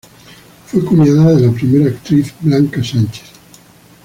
Fue cuñada de la primera actriz Blanca Sánchez.